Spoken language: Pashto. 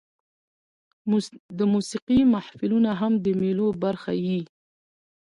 د موسیقۍ محفلونه هم د مېلو برخه يي.